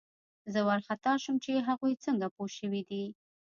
زه وارخطا شوم چې هغوی څنګه پوه شوي دي